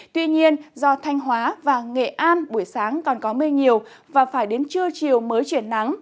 tuy nhiên do thanh hóa và nghệ an buổi sáng còn có mây nhiều và phải đến trưa chiều mới chuyển nắng